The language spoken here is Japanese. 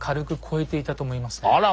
あら